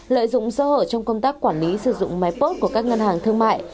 lợi dụng sơ hở trong công tác quản lý sử dụng máy pot của các ngân hàng thương mại